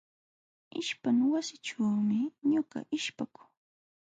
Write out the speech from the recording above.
Ishpana wasićhuumi ñuqa ishpakuu.